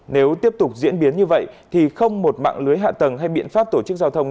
nếu tiếp tục diễn biến như vậy thì không một mạng lưới hạ tầng hay biện pháp tổ chức giao thông